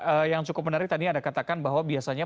oke mbak nissa yang cukup menarik tadi anda katakan bahwa biasanya